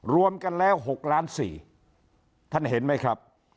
รวมกันแล้ว๖ล้าน๔ท่านเห็นไหมครับ